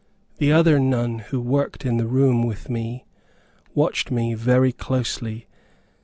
The other nun who worked in the room with me, watched me very closely.